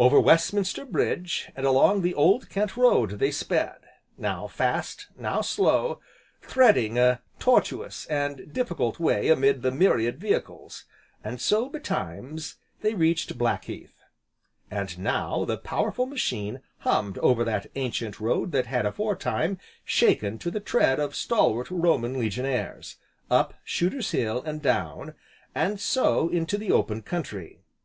Over Westminster Bridge, and along the Old Kent Road they sped, now fast, now slow, threading a tortuous, and difficult way amid the myriad vehicles, and so, betimes, they reached Blackheath. And now the powerful machine hummed over that ancient road that had aforetime, shaken to the tread of stalwart Roman Legionaries, up Shooter's Hill, and down, and so into the open country.